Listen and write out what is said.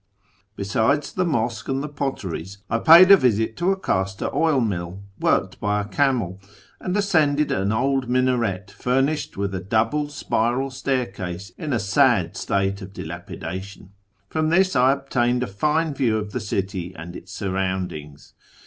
Besides the mosque and the potteries, I paid a visit to a castor oil mill worked hy a camel, and ascended an old minaret, furnished witli a double sjtiral staircase in a sad state of dilapidation. From this I obtained a fine view of the city and its surroundings.